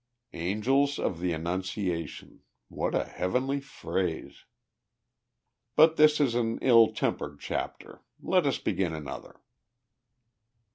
Angels of the Annunciation! what a heavenly phrase! But this is an ill tempered chapter let us begin another.